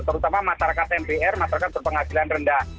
terutama masyarakat mpr masyarakat berpenghasilan rendah